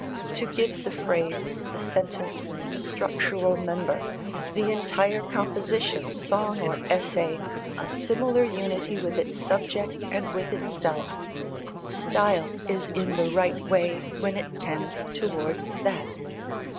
To give the phrase, the sentence, the structural member, the entire composition, song, or essay, a similar unity with its subject and with itself: style is in the right way when it tends towards that.